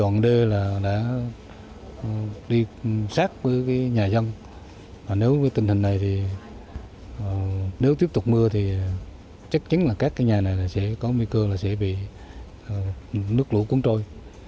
nếu tiếp tục mưa thì chắc chắn là các nhà này sẽ có nguy cơ là sẽ bị nước lũ cuốn trôi